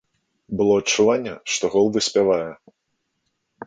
Было адчуванне, што гол выспявае.